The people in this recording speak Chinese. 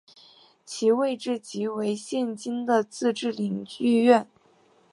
其位置即为现今的自治领剧院。